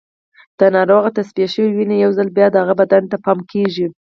د ناروغ تصفیه شوې وینه یو ځل بیا د هغه بدن ته پمپ کېږي.